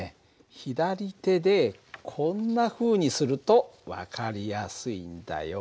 左手でこんなふうにすると分かりやすいんだよ。